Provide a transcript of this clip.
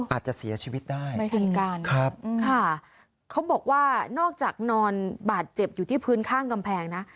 อาจจะเสียชีวิตได้ไม่ถึงการครับค่ะเขาบอกว่านอกจากนอนบาดเจ็บอยู่ที่พื้นข้างกำแพงนะ